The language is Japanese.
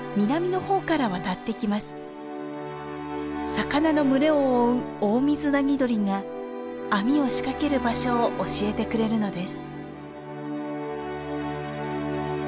魚の群れを追うオオミズナギドリが網を仕掛ける場所を教えてくれるのです。